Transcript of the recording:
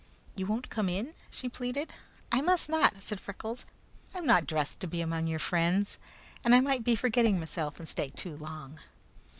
"You won't come in?" she pleaded. "I must not," said Freckles. "I am not dressed to be among your friends, and I might be forgetting meself and stay too long."